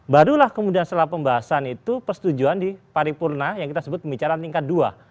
barulah kemudian setelah pembahasan itu persetujuan di paripurna yang kita sebut pembicaraan tingkat dua